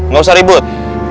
gak usah ribut